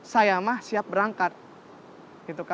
saya mah siap berangkat